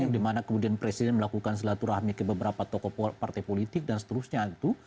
di mana kemudian presiden melakukan selatu rahmi ke beberapa tokoh partai politik dan seterusnya